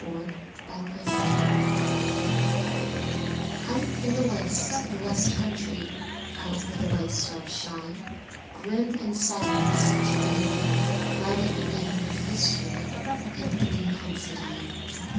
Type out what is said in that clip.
Anthony Considine Out in the wastes of the West countrie, Out where the white stars shine, Grim and silent as such men be, Rideth a man with a history Anthony Considine.